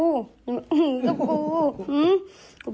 ถือกับกู้